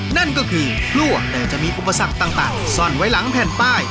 นั่นก็คือพลั่วแต่จะมีอุปสรรคต่างซ่อนไว้หลังแผ่นป้าย